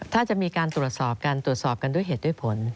ถ้าจะมีการตรวจสอบกันตรวจสอบกันด้วยเหตุด้วยผล